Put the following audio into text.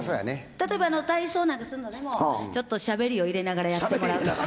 例えば体操なんかするのでもちょっとしゃべりを入れながらやってもらうとか。